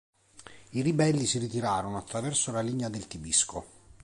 I ribelli si ritirarono attraverso la linea del Tibisco.